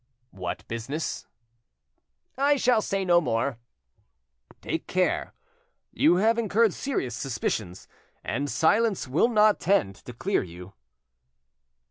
"What business?" "I shall say no more." "Take care! you have incurred serious suspicions, and silence will not tend to clear you."